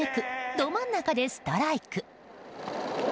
ど真ん中でストライク。